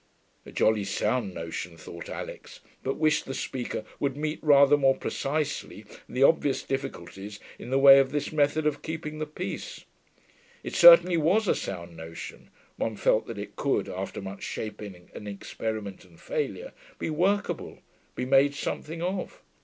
A jolly sound notion, thought Alix, but wished the speaker would meet rather more precisely the obvious difficulties in the way of this method of keeping the peace. It certainly was a sound notion: one felt that it could, after much shaping and experimenting and failure, be workable, be made something of.